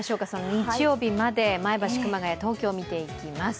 日曜日まで、前橋、熊谷、東京、見ていきます。